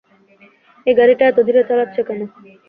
এই গাড়িটা এতো ধীরে চালাচ্ছে কেন?